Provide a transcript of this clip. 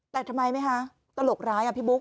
แต่ทำไมไหมคะตลกร้ายอ่ะพี่บุ๊